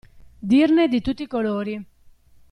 Dirne di tutti i colori.